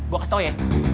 gue kasih tau ya